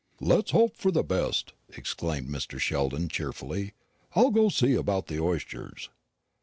"Let's hope for the best," exclaimed Mr. Sheldon cheerfully. "I'll go and see about the oysters."